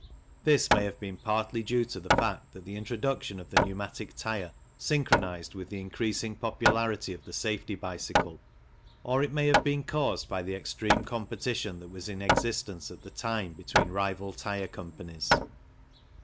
This may have been partly due to the fact that the introduction of the pneumatic tyre synchronized with the increasing popularity of the safety bicycle, or it may have been caused by the extreme competition that was in existence at the time between rival tyre companies.